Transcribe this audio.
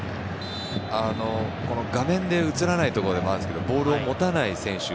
画面で映らないところでもあるんですけどボールを持たない選手。